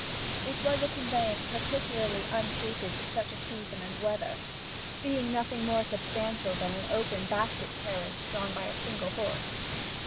It was a conveyance particularly unsuited to such a season and weather, being nothing more substantial than an open basket carriage drawn by a single horse.